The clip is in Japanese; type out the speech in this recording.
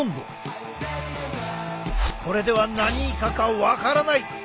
これでは何イカか分からない！